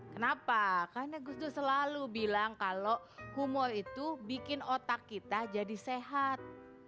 kenapa karena gus dur selalu bilang kalau humor itu bikin otak kita jadi sehat